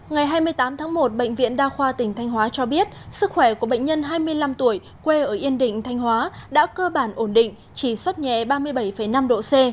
ngày hai mươi tám tháng một bệnh viện đa khoa tỉnh thanh hóa cho biết sức khỏe của bệnh nhân hai mươi năm tuổi quê ở yên định thanh hóa đã cơ bản ổn định chỉ suất nhẹ ba mươi bảy năm độ c